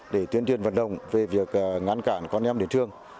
để tuyên truyền vận động về việc ngăn cản con em đến trường